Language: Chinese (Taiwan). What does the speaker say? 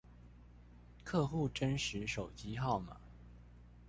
客戶真實手機號碼